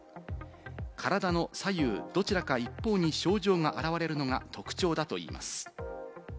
体の左右どちらか一方に症状が現れるのが特徴だといいます。